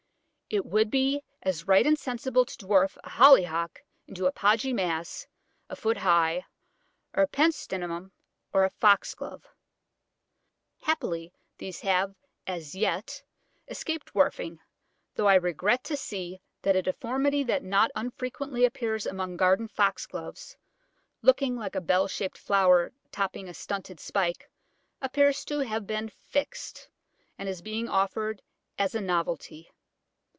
It would be as right and sensible to dwarf a Hollyhock into a podgy mass a foot high, or a Pentstemon, or a Foxglove. Happily these have as yet escaped dwarfing, though I regret to see that a deformity that not unfrequently appears among garden Foxgloves, looking like a bell shaped flower topping a stunted spike, appears to have been "fixed," and is being offered as a "novelty."